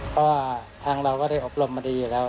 เพราะว่าทางเราก็ได้อบรมมาดีอยู่แล้ว